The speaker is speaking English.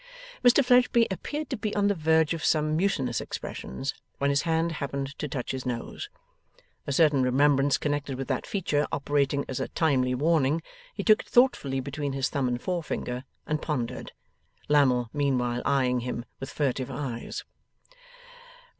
Mr Fledgeby appeared to be on the verge of some mutinous expressions, when his hand happened to touch his nose. A certain remembrance connected with that feature operating as a timely warning, he took it thoughtfully between his thumb and forefinger, and pondered; Lammle meanwhile eyeing him with furtive eyes.